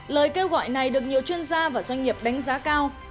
lời kêu gọi này được nhiều chuyên gia và doanh nghiệp đánh giá cao